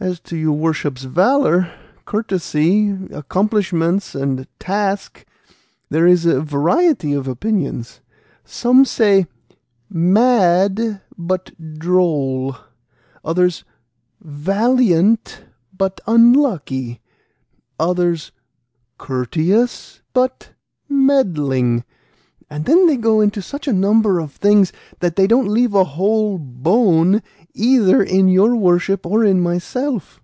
"As to your worship's valour, courtesy, accomplishments, and task, there is a variety of opinions. Some say, 'mad but droll;' others, 'valiant but unlucky;' others, 'courteous but meddling,' and then they go into such a number of things that they don't leave a whole bone either in your worship or in myself."